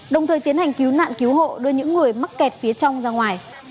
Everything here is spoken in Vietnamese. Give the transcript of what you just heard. đồng thời tiến hành cứu nạn cứu hộ đưa những người mắc kẹt phía trong ra ngoài